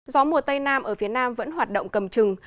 gió mùa tây nam ở phía nam vẫn hoạt động cầm chừng